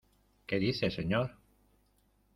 ¿ qué dice, señor?